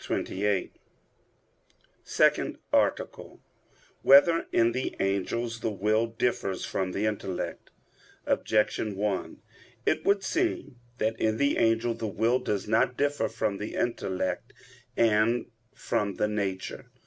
28. _______________________ SECOND ARTICLE [I, Q. 59, Art. 2] Whether in the Angels the Will Differs from the Intellect? Objection 1: It would seem that in the angel the will does not differ from the intellect and from the nature.